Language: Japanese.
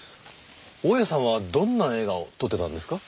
大屋さんはどんな映画を撮ってたんですか？